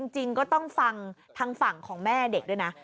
จริงก็ต้องฟังทางฝั่งของแม่เด็กด้วยนะ